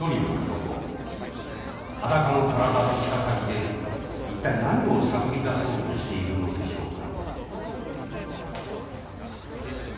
裸の体と舌先で一体何を探り出そうとしているのでしょうか。